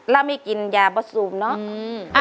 เราไม่กินยาประสุนเนอะ